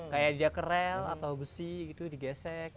kayak dia kerel atau besi gitu digesek